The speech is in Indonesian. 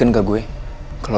kalau lo gak mau mati konyol